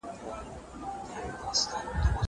نشه غوندي غزلي به خماري جوړوم